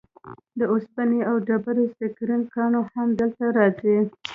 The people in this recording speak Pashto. د اوسپنې او ډبرو سکرو کانونه هم دلته راځي.